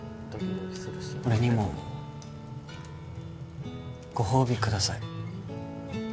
俺にもご褒美ください